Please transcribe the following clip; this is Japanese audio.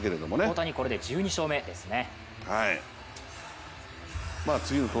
大谷、これで１２勝目ですね